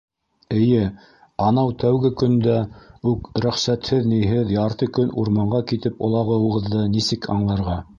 Эйе, анау тәүге көндә үк рөхсәтһеҙ-ниһеҙ ярты көн урманға китеп олағыуығыҙҙы нисек аңларға?!